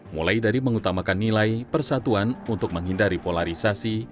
mulai dari mengutamakan nilai persatuan untuk menghindari polarisasi